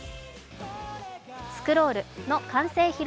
「スクロール」の完成披露